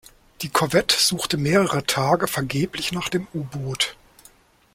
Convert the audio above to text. Die Korvette suchte mehrere Tage vergeblich nach dem U-Boot.